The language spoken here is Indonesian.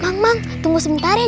mam mayng tunggu sebentar aja